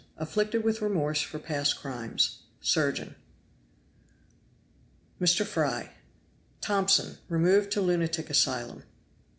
Afflicted with remorse for past crimes surgeon. Tomson. Very strange. Tomson. Removed to lunatic asylum.